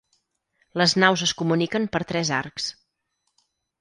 Les naus es comuniquen per tres arcs.